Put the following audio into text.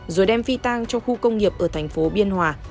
rồi đem phi tang trong khu công nghiệp ở thành phố biên hòa